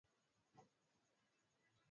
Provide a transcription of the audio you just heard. matembele hutoa maji yenye virutubisho